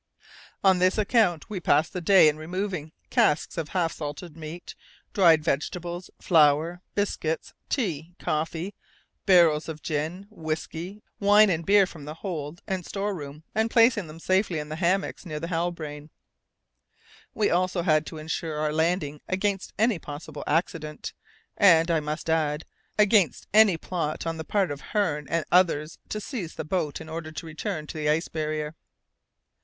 On this account, we passed the day in removing casks of half salted meat, dried vegetables, flour, biscuits, tea, coffee, barrels of gin, whisky, wine and beer from the hold and store room and placing them in safety in the hammocks near the Halbrane. We also had to insure our landing against any possible accident, and, I must add, against any plot on the part of Hearne and others to seize the boat in order to return to the ice barrier.